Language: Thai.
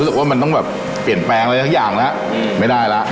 รู้สึกว่ามันต้องแบบเปลี่ยนแปลงอะไรสักอย่างแล้วไม่ได้แล้ว